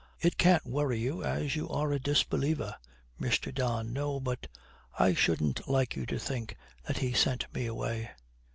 'It can't worry you as you are a disbeliever.' MR. DON. 'No, but I shouldn't like you to think that he sent me away.'